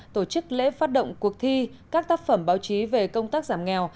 tổ chức lễ phát động cuộc thi các tác phẩm báo chí về công tác giảm nghèo